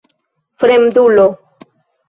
Fremdulo!